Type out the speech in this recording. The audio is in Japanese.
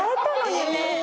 夢。